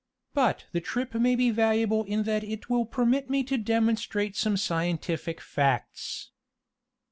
But the trip may be valuable in that it will permit me to demonstrate some scientific facts.